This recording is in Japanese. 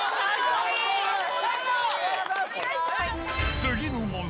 次の問題。